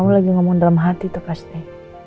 kamu lagi ngomong dalam hati tuh pasti